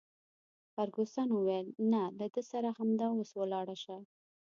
فرګوسن وویل: نه، له ده سره همدا اوس ولاړه شه.